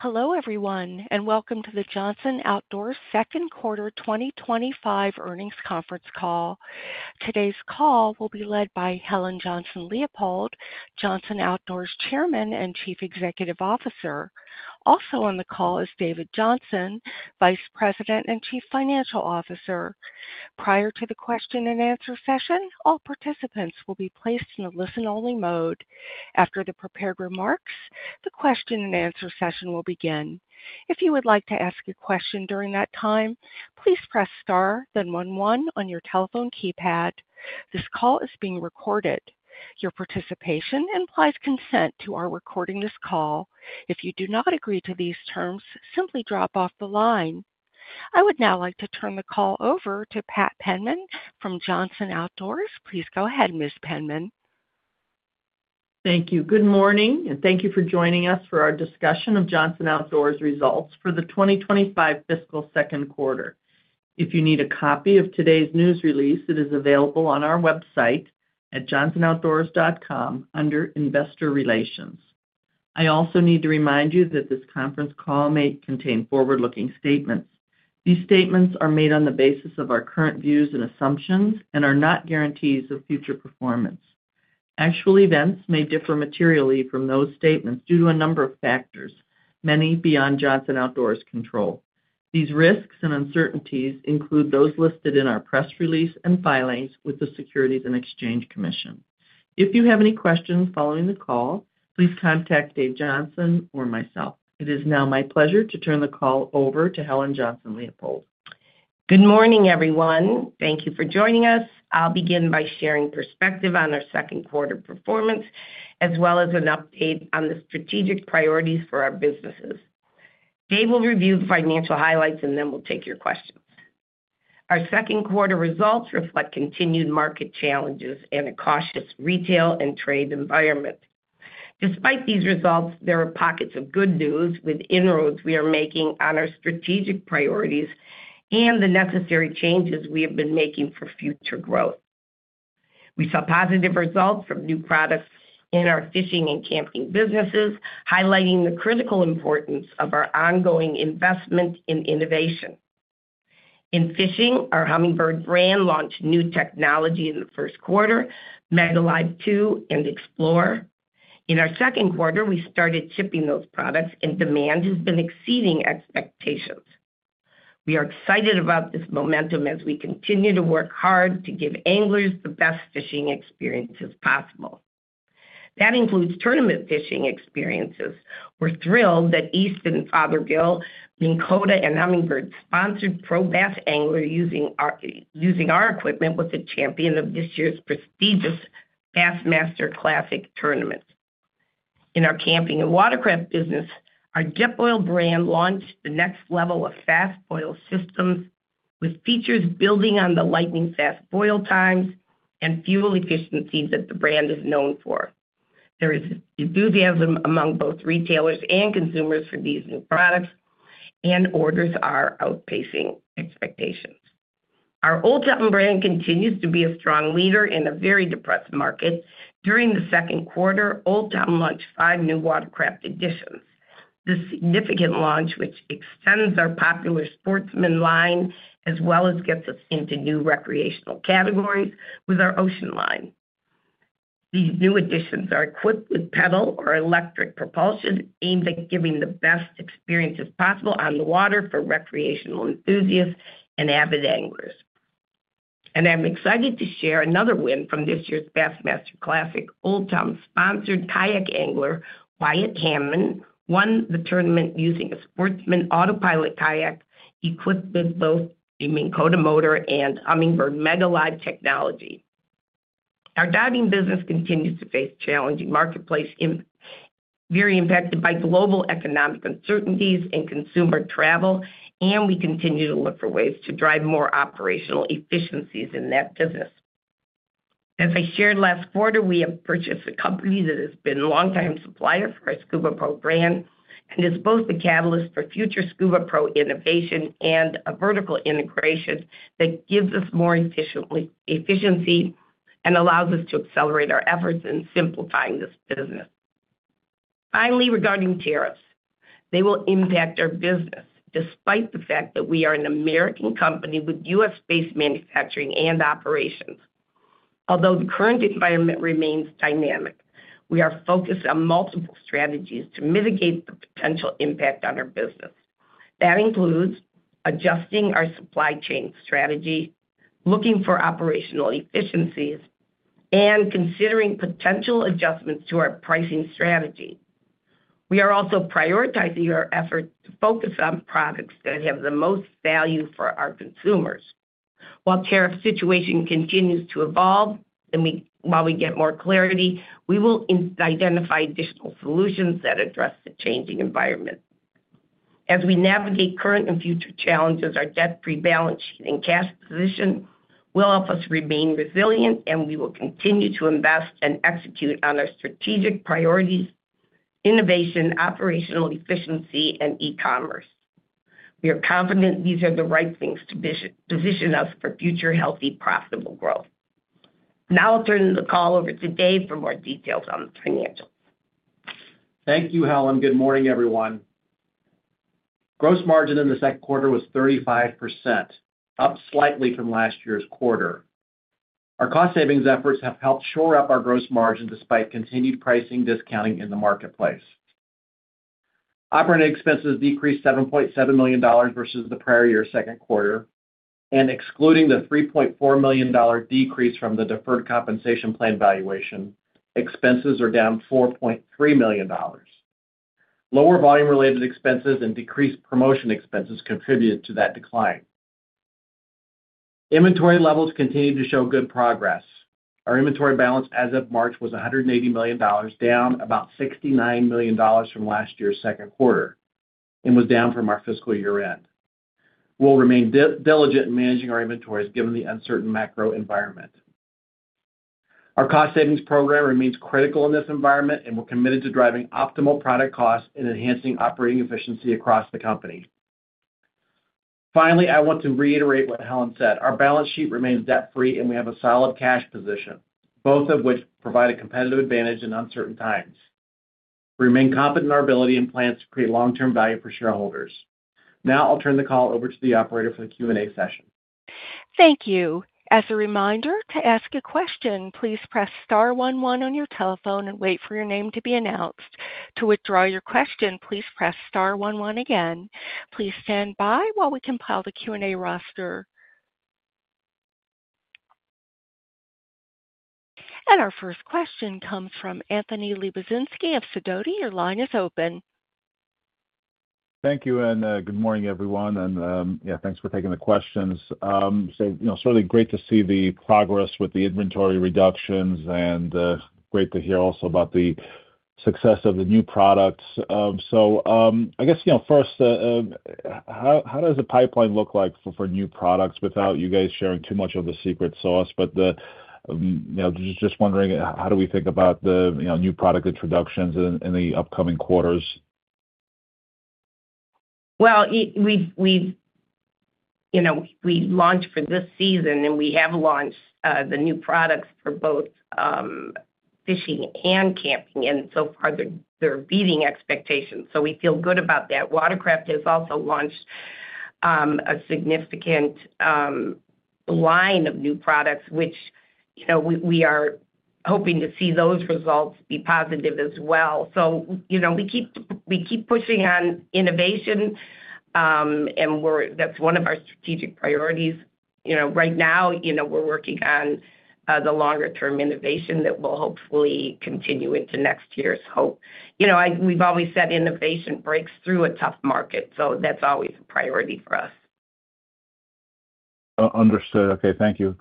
Hello everyone, and welcome to the Johnson Outdoors second Quarter 2025 earnings conference call. Today's call will be led by Helen Johnson-Leipold, Johnson Outdoors Chairman and Chief Executive Officer. Also on the call is David Johnson, Vice President and Chief Financial Officer. Prior to the question and answer session, all participants will be placed in a listen-only mode. After the prepared remarks, the question and answer session will begin. If you would like to ask a question during that time, please press star, then 1-1 on your telephone keypad. This call is being recorded. Your participation implies consent to our recording this call. If you do not agree to these terms, simply drop off the line. I would now like to turn the call over to Pat Penman from Johnson Outdoors. Please go ahead, Ms. Penman. Thank you. Good morning, and thank you for joining us for our discussion of Johnson Outdoors' results for the 2025 fiscal second quarter. If you need a copy of today's news release, it is available on our website at JohnsonOutdoors.com under Investor Relations. I also need to remind you that this conference call may contain forward-looking statements. These statements are made on the basis of our current views and assumptions and are not guarantees of future performance. Actual events may differ materially from those statements due to a number of factors, many beyond Johnson Outdoors' control. These risks and uncertainties include those listed in our press release and filings with the Securities and Exchange Commission. If you have any questions following the call, please contact Dave Johnson or myself. It is now my pleasure to turn the call over to Helen Johnson-Leipold. Good morning, everyone. Thank you for joining us. I'll begin by sharing perspective on our second quarter performance, as well as an update on the strategic priorities for our businesses. Dave will review the financial highlights, and then we'll take your questions. Our second quarter results reflect continued market challenges and a cautious retail and trade environment. Despite these results, there are pockets of good news with inroads we are making on our strategic priorities and the necessary changes we have been making for future growth. We saw positive results from new products in our fishing and camping businesses, highlighting the critical importance of our ongoing investment in innovation. In fishing, our Humminbird brand launched new technology in the first quarter, MegaLive 2 and Explore. In our second quarter, we started shipping those products, and demand has been exceeding expectations. We are excited about this momentum as we continue to work hard to give anglers the best fishing experiences possible. That includes tournament fishing experiences. We're thrilled that Easton Fothergill, Minn Kota, and Humminbird sponsored pro bass angler using our equipment was a champion of this year's prestigious Bassmaster Classic tournament. In our camping and watercraft business, our JetBoil brand launched the next level of fast boil systems with features building on the lightning fast boil times and fuel efficiencies that the brand is known for. There is enthusiasm among both retailers and consumers for these new products, and orders are outpacing expectations. Our Old Town brand continues to be a strong leader in a very depressed market. During the second quarter, Old Town launched five new watercraft editions. This significant launch, which extends our popular sportsman line, also gets us into new recreational categories with our ocean line. These new editions are equipped with pedal or electric propulsion, aimed at giving the best experiences possible on the water for recreational enthusiasts and avid anglers. I am excited to share another win from this year's Bassmaster Classic. Old Town-sponsored kayak angler Wyatt Hamman won the tournament using a sportsman autopilot kayak equipped with both the Minn Kota motor and Humminbird MegaLive technology. Our diving business continues to face a challenging marketplace, very impacted by global economic uncertainties and consumer travel, and we continue to look for ways to drive more operational efficiencies in that business. As I shared last quarter, we have purchased a company that has been a longtime supplier for our Scubapro brand and is both the catalyst for future Scubapro innovation and a vertical integration that gives us more efficiency and allows us to accelerate our efforts in simplifying this business. Finally, regarding tariffs, they will impact our business despite the fact that we are an American company with U.S.-based manufacturing and operations. Although the current environment remains dynamic, we are focused on multiple strategies to mitigate the potential impact on our business. That includes adjusting our supply chain strategy, looking for operational efficiencies, and considering potential adjustments to our pricing strategy. We are also prioritizing our efforts to focus on products that have the most value for our consumers. While the tariff situation continues to evolve, and while we get more clarity, we will identify additional solutions that address the changing environment. As we navigate current and future challenges, our debt-free balance sheet and cash position will help us remain resilient, and we will continue to invest and execute on our strategic priorities, innovation, operational efficiency, and e-commerce. We are confident these are the right things to position us for future healthy, profitable growth. Now I'll turn the call over to Dave for more details on the financials. Thank you, Helen. Good morning, everyone. Gross margin in the second quarter was 35%, up slightly from last year's quarter. Our cost savings efforts have helped shore up our gross margin despite continued pricing discounting in the marketplace. Operating expenses decreased $7.7 million versus the prior year's second quarter, and excluding the $3.4 million decrease from the deferred compensation plan valuation, expenses are down $4.3 million. Lower volume-related expenses and decreased promotion expenses contributed to that decline. Inventory levels continue to show good progress. Our inventory balance as of March was $180 million, down about $69 million from last year's second quarter, and was down from our fiscal year end. We'll remain diligent in managing our inventories given the uncertain macro environment. Our cost savings program remains critical in this environment, and we're committed to driving optimal product costs and enhancing operating efficiency across the company. Finally, I want to reiterate what Helen said. Our balance sheet remains debt-free, and we have a solid cash position, both of which provide a competitive advantage in uncertain times. We remain confident in our ability and plans to create long-term value for shareholders. Now I'll turn the call over to the operator for the Q&A session. Thank you. As a reminder, to ask a question, please press star one one on your telephone and wait for your name to be announced. To withdraw your question, please press star 1-1 again. Please stand by while we compile the Q&A roster. Our first question comes from Anthony Lebiedzinski of Sidoti. Your line is open. Thank you, and good morning, everyone. Yeah, thanks for taking the questions. Certainly great to see the progress with the inventory reductions, and great to hear also about the success of the new products. I guess, first, how does the pipeline look like for new products without you guys sharing too much of the secret sauce? Just wondering, how do we think about the new product introductions in the upcoming quarters? We launched for this season, and we have launched the new products for both fishing and camping, and so far they're beating expectations. We feel good about that. Watercraft has also launched a significant line of new products, which we are hoping to see those results be positive as well. We keep pushing on innovation, and that's one of our strategic priorities. Right now, we're working on the longer-term innovation that will hopefully continue into next year's hope. We've always said innovation breaks through a tough market, so that's always a priority for us. Understood. Okay, thank you.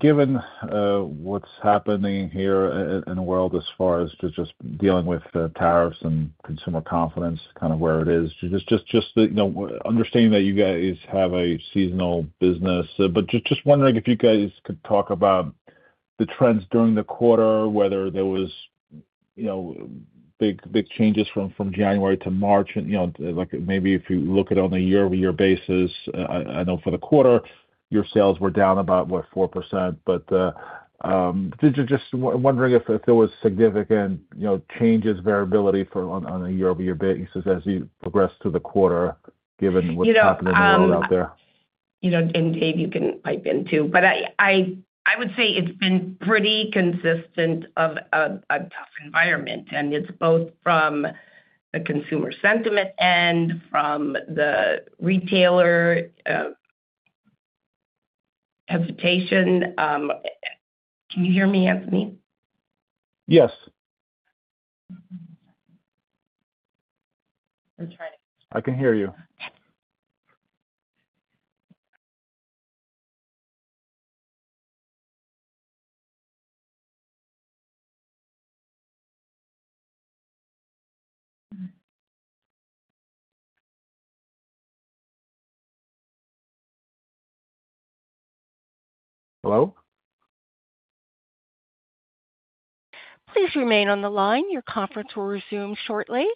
Given what's happening here in the world as far as just dealing with tariffs and consumer confidence, kind of where it is, just understanding that you guys have a seasonal business, I am just wondering if you guys could talk about the trends during the quarter, whether there were big changes from January to March. Maybe if you look at it on a year-over-year basis, I know for the quarter, your sales were down about, what, 4%. I am just wondering if there were significant changes, variability on a year-over-year basis as you progressed through the quarter, given what's happening in the world out there. Dave, you can pipe in too. I would say it's been pretty consistent of a tough environment, and it's both from the consumer sentiment and from the retailer hesitation. Can you hear me, Anthony? Yes. I'm trying to. I can hear you. Hello? Please remain on the line. Your conference will resume shortly.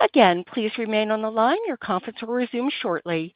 Again, please remain on the line. Your conference will resume shortly.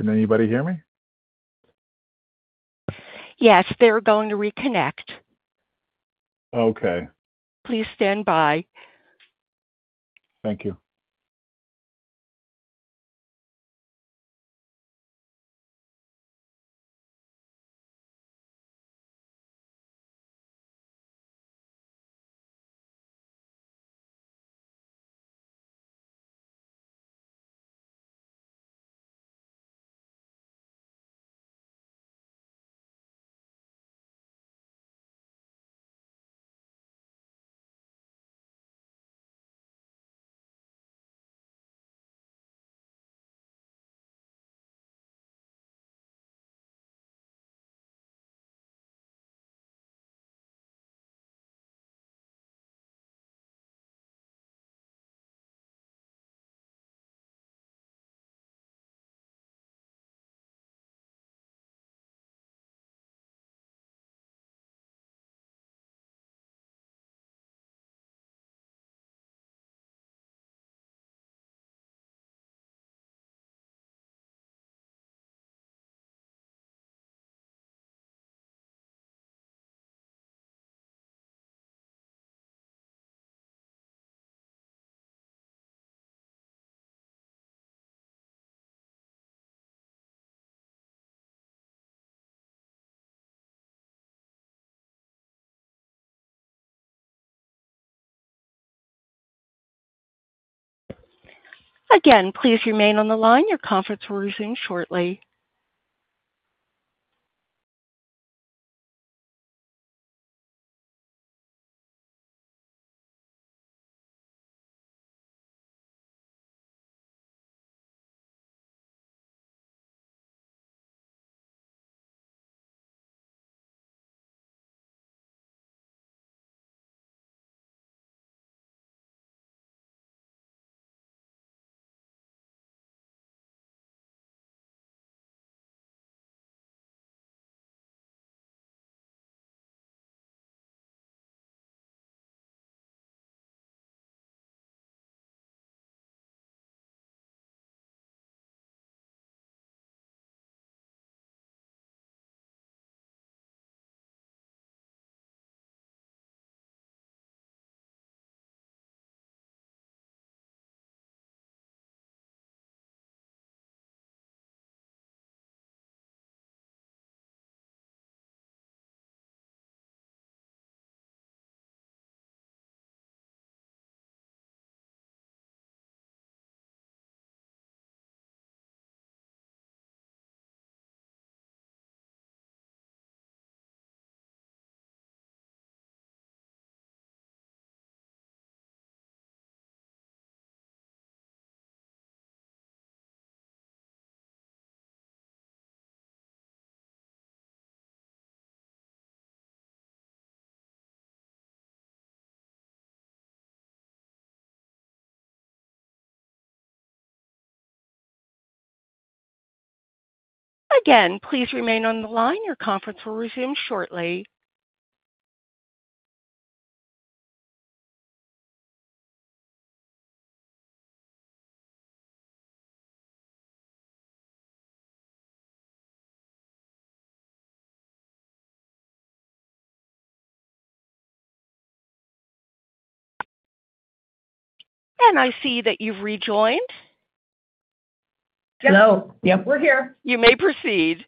Can anybody hear me? Yes, they're going to reconnect. Okay. Please stand by. Thank you. Again, please remain on the line. Your conference will resume shortly. Again, please remain on the line. Your conference will resume shortly. I see that you've rejoined. Hello. Yep, we're here. You may proceed.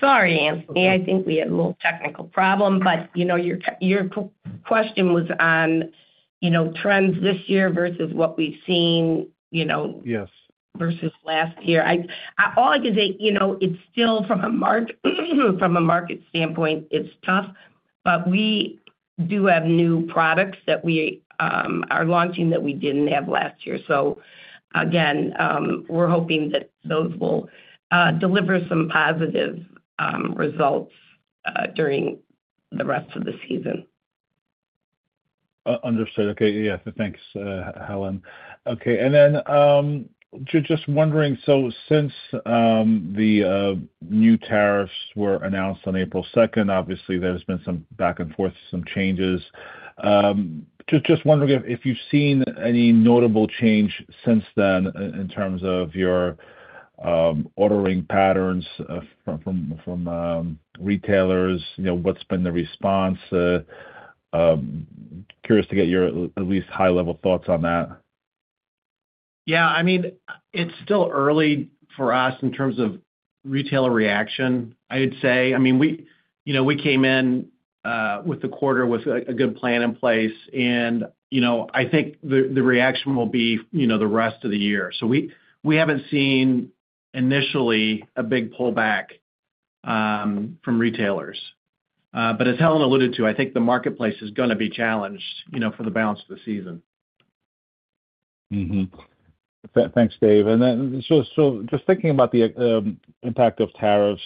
Sorry, Anthony, I think we had a little technical problem, but your question was on trends this year versus what we've seen versus last year. All I can say, it's still, from a market standpoint, it's tough, but we do have new products that we are launching that we didn't have last year. Again, we're hoping that those will deliver some positive results during the rest of the season. Understood. Okay. Yeah. Thanks, Helen. Okay. Just wondering, since the new tariffs were announced on April 2, obviously, there's been some back and forth, some changes. Just wondering if you've seen any notable change since then in terms of your ordering patterns from retailers, what's been the response? Curious to get your at least high-level thoughts on that. Yeah. I mean, it's still early for us in terms of retailer reaction, I'd say. I mean, we came in with the quarter with a good plan in place, and I think the reaction will be the rest of the year. We haven't seen initially a big pullback from retailers. As Helen alluded to, I think the marketplace is going to be challenged for the balance of the season. Thanks, Dave. Just thinking about the impact of tariffs,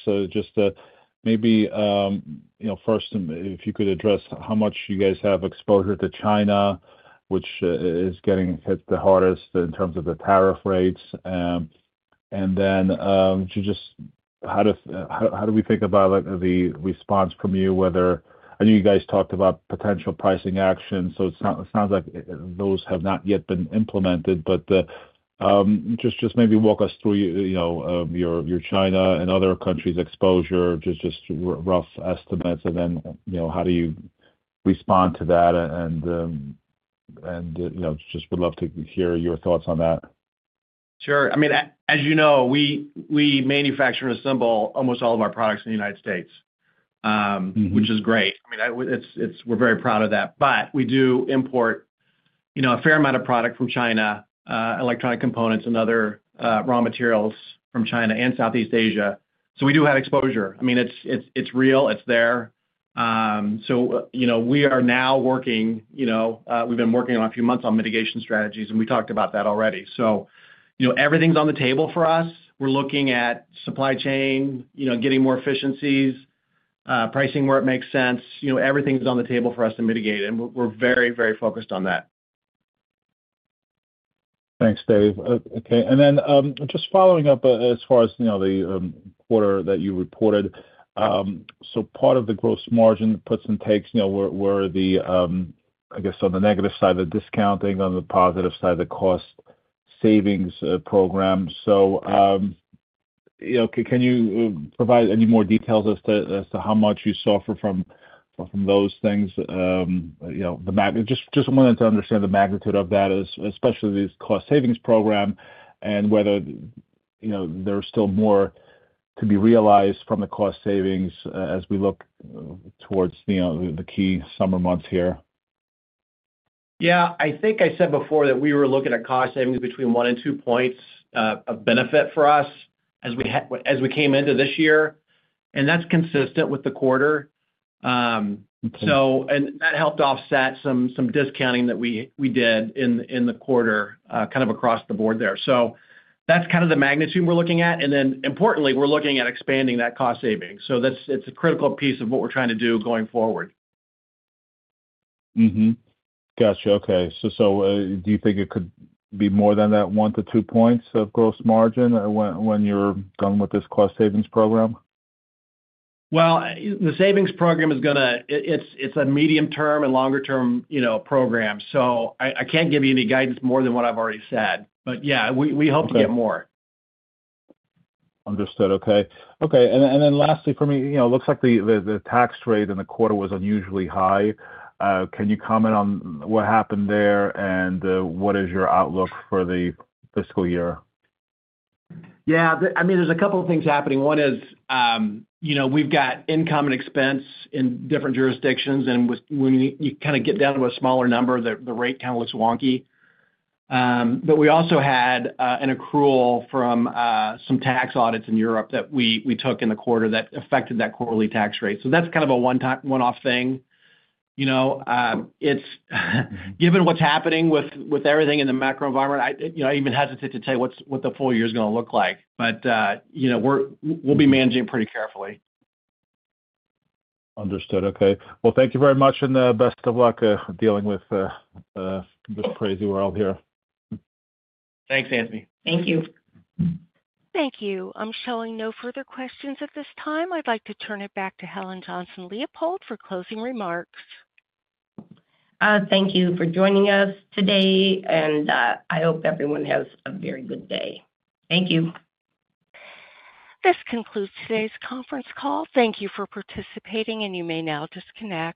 maybe first, if you could address how much you guys have exposure to China, which is getting hit the hardest in terms of the tariff rates. Just how do we think about the response from you, whether I know you guys talked about potential pricing actions, so it sounds like those have not yet been implemented. Maybe walk us through your China and other countries' exposure, just rough estimates, and then how do you respond to that? I would love to hear your thoughts on that. Sure. I mean, as you know, we manufacture and assemble almost all of our products in the United States, which is great. I mean, we're very proud of that. I mean, we do import a fair amount of product from China, electronic components and other raw materials from China and Southeast Asia. We do have exposure. I mean, it's real. It's there. We are now working—we've been working a few months on mitigation strategies, and we talked about that already. Everything's on the table for us. We're looking at supply chain, getting more efficiencies, pricing where it makes sense. Everything's on the table for us to mitigate, and we're very, very focused on that. Thanks, Dave. Okay. Just following up as far as the quarter that you reported, part of the gross margin puts and takes were the, I guess, on the negative side, the discounting, on the positive side, the cost savings program. Can you provide any more details as to how much you suffer from those things? Just wanted to understand the magnitude of that, especially this cost savings program, and whether there's still more to be realized from the cost savings as we look towards the key summer months here. Yeah. I think I said before that we were looking at cost savings between one and two points of benefit for us as we came into this year, and that's consistent with the quarter. That helped offset some discounting that we did in the quarter kind of across the board there. That's kind of the magnitude we're looking at. Importantly, we're looking at expanding that cost savings. It's a critical piece of what we're trying to do going forward. Gotcha. Okay. Do you think it could be more than that, one to two points of gross margin when you're done with this cost savings program? The savings program is going to—it's a medium-term and longer-term program. I can't give you any guidance more than what I've already said. Yeah, we hope to get more. Understood. Okay. Okay. Lastly, for me, it looks like the tax rate in the quarter was unusually high. Can you comment on what happened there and what is your outlook for the fiscal year? Yeah. I mean, there's a couple of things happening. One is we've got income and expense in different jurisdictions, and when you kind of get down to a smaller number, the rate kind of looks wonky. We also had an accrual from some tax audits in Europe that we took in the quarter that affected that quarterly tax rate. That's kind of a one-off thing. Given what's happening with everything in the macro environment, I'm even hesitant to tell you what the full year is going to look like. We'll be managing it pretty carefully. Understood. Okay. Thank you very much and best of luck dealing with this crazy world here. Thanks, Anthony. Thank you. Thank you. I'm showing no further questions at this time. I'd like to turn it back to Helen Johnson-Leipold for closing remarks. Thank you for joining us today, and I hope everyone has a very good day. Thank you. This concludes today's conference call. Thank you for participating, and you may now disconnect.